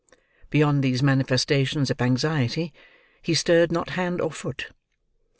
Beyond these manifestations of anxiety, he stirred not hand or foot.